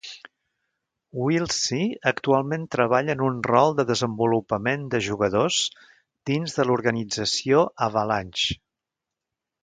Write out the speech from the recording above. Willsie actualment treballa en un rol de desenvolupament de jugadors dins de l'organització Avalanche.